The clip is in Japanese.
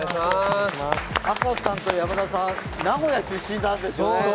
赤楚さんと山田さん、名古屋出身なんですね。